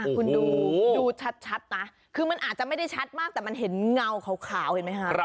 คุณดูชัดนะคือมันอาจจะไม่ได้ชัดมากแต่มันเห็นเงาขาวเห็นไหมคะ